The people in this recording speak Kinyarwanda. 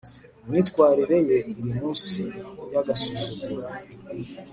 imyitwarire ye iri munsi yagasuzuguro